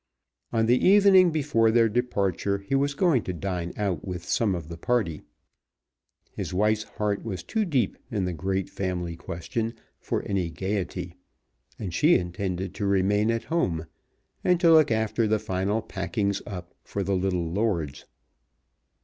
On the evening before their departure he was going to dine out with some of the party. His wife's heart was too deep in the great family question for any gaiety, and she intended to remain at home, and to look after the final packings up for the little lords.